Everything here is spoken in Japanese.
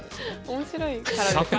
面白いからですか？